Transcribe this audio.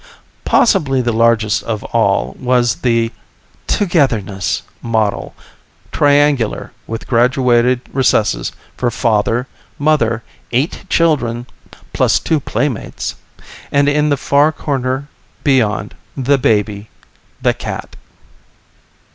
Possibly the largest of all was the "Togetherness" model, triangular, with graduated recesses for Father, Mother, eight children (plus two playmates), and, in the far corner beyond the baby, the cat.